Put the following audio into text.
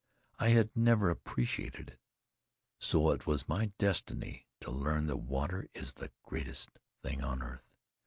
I had never appreciated it. So it was my destiny to learn that water is the greatest thing on earth.